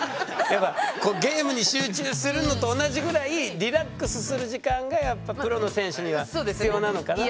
やっぱゲームに集中するのと同じぐらいリラックスする時間がやっぱプロの選手には必要なのかな。